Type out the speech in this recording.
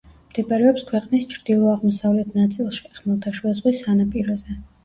მდებარეობს ქვეყნის ჩრდილო-აღმოსავლეთ ნაწილში, ხმელთაშუა ზღვის სანაპიროზე.